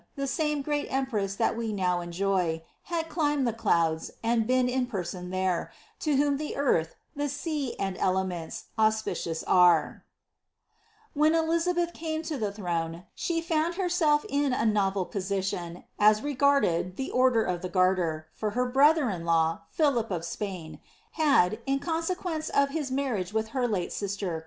The same great empress that we now enjoy. Had climbed the clouds, and been in person there, To whom the earth, the sea, and elements Auspicious are." * When Elizabeth came to the throne, she found herself in a novel po nsion as regarded the order of the garter, for her brother in law, Philip of Spain, had, in consequence of his marriage with her late sister, queen ' Letter in Strype's Annals, printed by Barker, queen's printer.